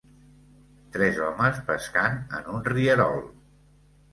Tres homes pescant en un rierol.